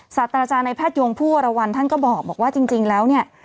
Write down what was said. ศาสตราจารย์ในแพทยงผู้วรวรรณท่านก็บอกว่าจริงแล้วเนี่ย